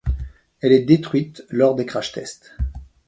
Elle est détruite lors des crash tests.